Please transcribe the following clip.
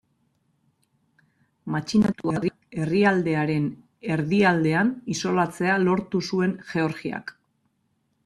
Matxinatuak herrialdearen erdialdean isolatzea lortu zuen Georgiak.